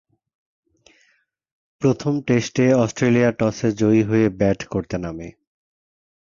প্রথম টেস্টে অস্ট্রেলিয়া টসে জয়ী জয়ে ব্যাট করতে নামে।